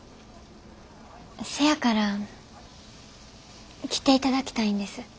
せやから来ていただきたいんです。